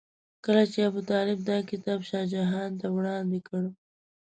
کله چې ابوطالب دا کتاب شاه جهان ته وړاندې کړ.